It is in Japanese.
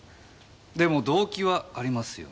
でも動機はありますよね？